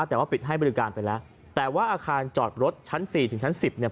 แต่ว่าปิดให้บริการไปแล้วแต่ว่าอาคารจอดรถชั้นสี่ถึงชั้นสิบเนี่ย